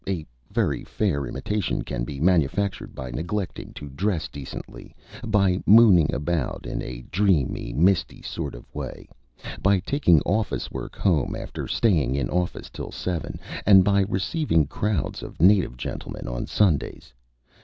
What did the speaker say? A very fair imitation can be manufactured by neglecting to dress decently, by mooning about in a dreamy, misty sort of way, by taking office work home after staying in office till seven, and by receiving crowds of native gentlemen on Sundays.